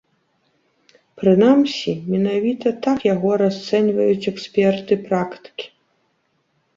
Прынамсі, менавіта так яго расцэньваюць эксперты-практыкі.